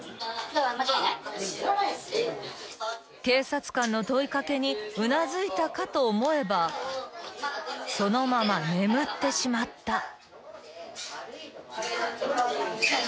［警察官の問い掛けにうなずいたかと思えばそのまま眠ってしまった］